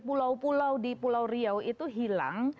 pulau pulau di pulau riau itu hilang